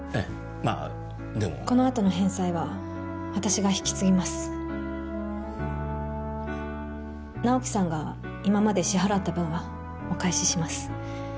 まあでもこのあとの返済は私が引き継ぎます直木さんが今まで支払った分はお返しします